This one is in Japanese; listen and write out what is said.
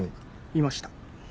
いました。